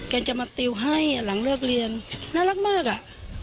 จะมาติวให้หลังเลิกเรียนน่ารักมากอ่ะ